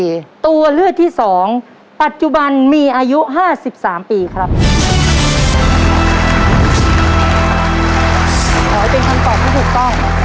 ขอให้เป็นคำตอบที่ถูกต้อง